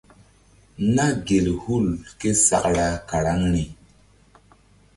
Na gel hul késakra karaŋri.